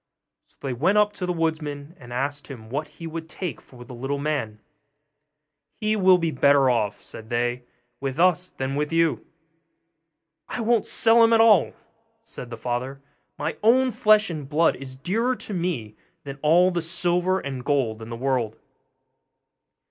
So they went up to the woodman, and asked him what he would take for the little man. 'He will be better off,' said they, 'with us than with you.' 'I won't sell him at all,' said the father; 'my own flesh and blood is dearer to me than all the silver and gold in the world.